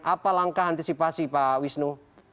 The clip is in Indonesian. apa langkah antisipasi pak wisnu